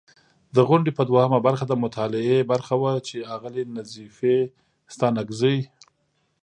د غونډې په دوهمه برخه، د مطالعې برخه وه چې اغلې نظیفې ستانکزۍ